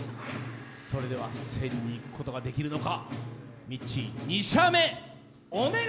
それでは１０００に行くことができるのか。